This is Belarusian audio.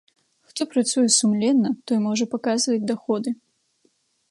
Хто працуе сумленна, той можа паказваць даходы.